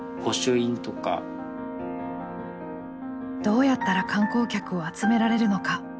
どうやったら観光客を集められるのか。